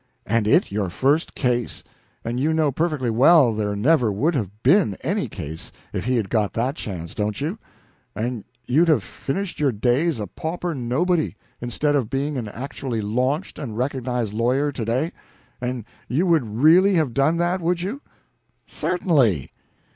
"And it your first case! And you know perfectly well there never would have been any case if he had got that chance, don't you? And you'd have finished your days a pauper nobody, instead of being an actually launched and recognized lawyer to day. And you would really have done that, would you?" "Certainly."